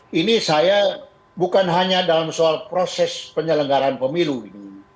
jadi saya bukan hanya dalam soal proses penyelenggaraan pemilu ini